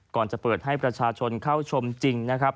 ก่อนจะเปิดให้ประชาชนเข้าชมจริงนะครับ